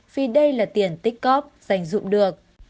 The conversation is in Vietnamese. vì đây là tiền tích cóp dành dụm được